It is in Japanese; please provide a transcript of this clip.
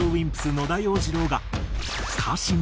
野田洋次郎が。